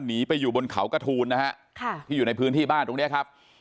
หนีไปอยู่บนเขากระทูลนะฮะค่ะที่อยู่ในพื้นที่บ้านตรงเนี้ยครับ